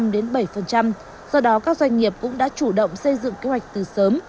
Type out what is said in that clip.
do đó các doanh nghiệp cũng đã chủ động xây dựng kế hoạch từ sớm